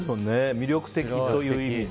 魅力的という意味で。